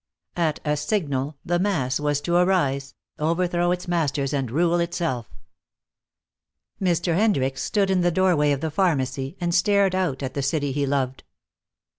At a signal the mass was to arise, overthrow its masters and rule itself. Mr. Hendricks stood in the doorway of the pharmacy and stared out at the city he loved.